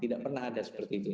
tidak pernah ada seperti itu